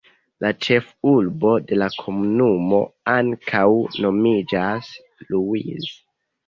La ĉefurbo de la komunumo ankaŭ nomiĝas Ruiz.